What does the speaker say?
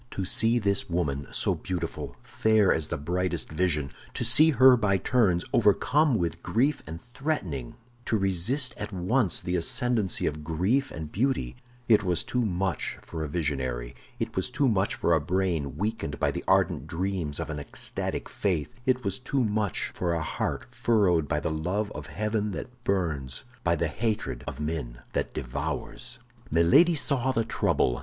To see this woman, so beautiful, fair as the brightest vision, to see her by turns overcome with grief and threatening; to resist at once the ascendancy of grief and beauty—it was too much for a visionary; it was too much for a brain weakened by the ardent dreams of an ecstatic faith; it was too much for a heart furrowed by the love of heaven that burns, by the hatred of men that devours. Milady saw the trouble.